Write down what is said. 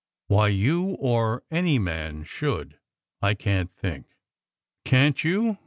Why you or any man should, I can t think!" "Can t you?